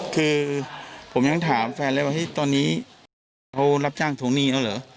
คือผมยังถามแฟนเลยว่าตอนนี้เขารับจ้างทวงหนี้แล้วเหรอ